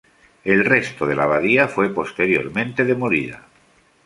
El resto de la abadía fue posteriormente demolida.